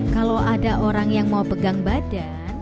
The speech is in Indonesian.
kalau ada orang yang mau pegang badan